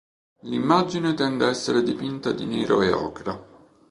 L'immagine tende a essere dipinta di nero e ocra.